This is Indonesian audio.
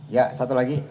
ya satu lagi